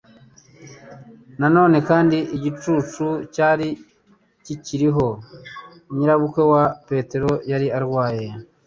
Na none kandi igicucu cyari kikiriho. Nyirabukwe wa Petero yari arwaye.